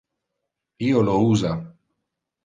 Io lo usa.